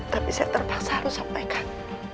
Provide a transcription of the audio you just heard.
tapi saya terpaksa harus sampaikan